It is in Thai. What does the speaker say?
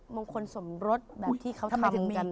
มงคลสมรสแบบที่เขาทำกัน